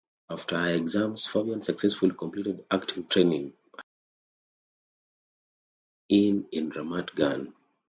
After her exams Fabian successfully completed acting training at Beit Zvi in Ramat Gan.